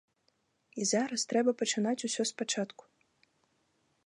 І зараз трэба пачынаць усё з пачатку.